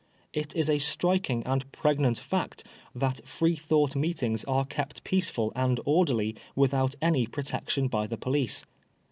It is a striking and pregnant fact that Freethought meetings are kept peaceful and orderly without any protection by the police.